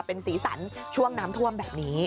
เป็นสีสันช่วงน้ำท่วมแบบนี้